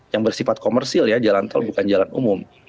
yang bersifat komersil ya jalan tol bukan jalan umum